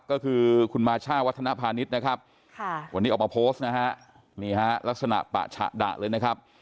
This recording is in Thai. ก็คือคุณมาช่าวัฒนภาณิชย์นะครับวันนี้ออกมาโพสต์นะฮะนี่ฮะลักษณะปะฉะดะเลยนะครับ